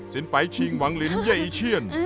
เซียนประชิงวังลิ้นเยเชียน